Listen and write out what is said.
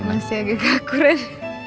masih agak gak keren